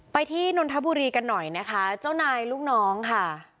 ที่นนทบุรีกันหน่อยนะคะเจ้านายลูกน้องค่ะ